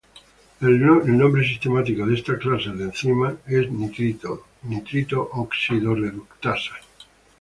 El nombre sistemático de esta clase de enzimas es nitrito:nitrito oxidorreductasa.